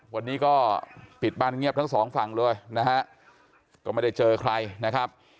วันนี้ก็ปิดบ้านเงียบทั้งสองฝั่งเลยนะฮะก็ไม่ได้เจอใครนะครับ